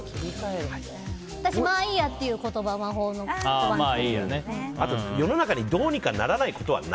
私、まあいいやっていうのを魔法の言葉にしてる。